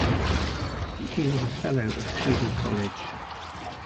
He was a Fellow of Keble College.